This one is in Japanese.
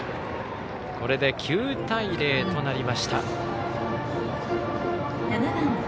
これで９対０となりました。